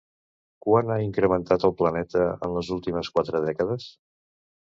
Quant ha incrementat, el planeta, en les últimes quatre dècades?